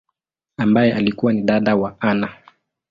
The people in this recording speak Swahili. ambaye alikua ni dada wa Anna.